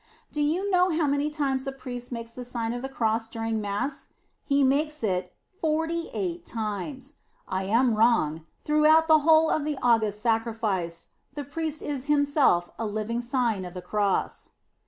Do you know how many times the priest makes the Sign of the Cross during Mass? He makes it forty eight times! I am wrong; throughout the whole of the august sacrifice, the priest is himself a living Sign of the Cross.